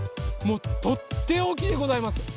もうとっておきでございます！